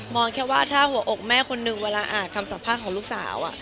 แค่ว่าถ้าหัวอกแม่คนนึงเวลาอ่านคำสัมภาษณ์ของลูกสาว